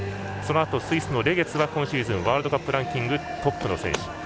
そのあとスイスのレゲツは今シーズンワールドカップランキングトップの選手。